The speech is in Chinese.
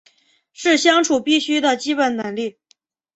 是相处必须的基本能力